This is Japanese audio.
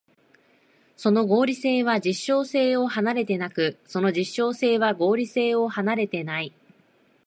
その合理性は実証性を離れてなく、その実証性は合理性を離れてない。